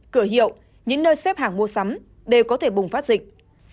cửa hiệu những nơi xếp hàng mua sắm đều có thể bùng phát dịch